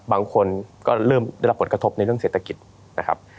บางคนก็เริ่มได้รับผลกระทบในเรื่องเศรษฐกิจนะครับ